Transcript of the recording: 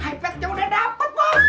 ipadnya udah dapet bos